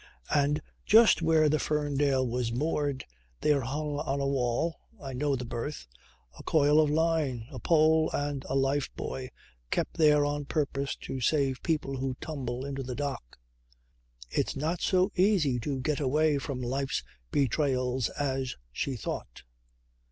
And just where the Ferndale was moored there hung on a wall (I know the berth) a coil of line, a pole, and a life buoy kept there on purpose to save people who tumble into the dock. It's not so easy to get away from life's betrayals as she thought.